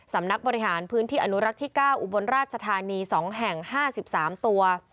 สำนักบริหารพื้นที่อนุรักษ์ที่๙อุบลราชธานี๒แห่ง๕๓ตัว